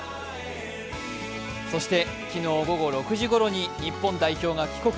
そして昨日午後６時ごろに日本代表が帰国。